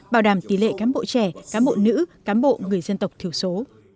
bảo đảm tỷ lệ cán bộ trẻ cán bộ nữ cán bộ người dân tộc thiểu số